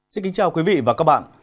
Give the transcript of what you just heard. xin kính chào quý vị và các bạn